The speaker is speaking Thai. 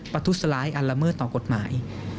ประทุษร้ายอันละเมิดต่อกฎหมาย